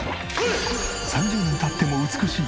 ３０年経っても美しい！